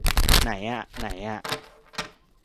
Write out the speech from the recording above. ไหนอ่ะ ไหนอ่ะ